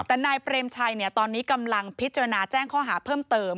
แต่นายเปรมชัยตอนนี้กำลังพิจารณาแจ้งข้อหาเพิ่มเติม